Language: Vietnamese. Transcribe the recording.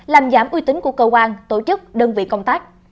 làm giảm uy tín của cơ quan tổ chức đơn vị công tác